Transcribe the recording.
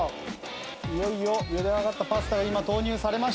いよいよ茹で上がったパスタが今投入されました。